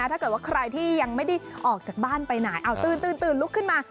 ถ้าเกิดว่าใครที่ยังไม่ได้ออกจากบ้านไปไหนเอาตื่นลุกขึ้นมา